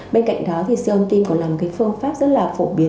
bên cạnh đó thì siêu âm tim còn là một cái phương pháp rất là phổ biến